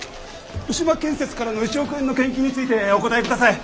牛間建設からの１億円の献金についてお答えください！